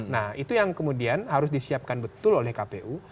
nah itu yang kemudian harus disiapkan betul oleh kpu